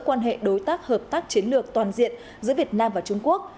quan hệ đối tác hợp tác chiến lược toàn diện giữa việt nam và trung quốc